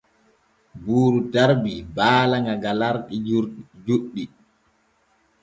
Buuru tarbi baala ŋa galarɗi juɗɗi.